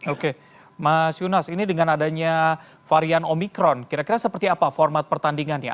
oke mas yunas ini dengan adanya varian omikron kira kira seperti apa format pertandingannya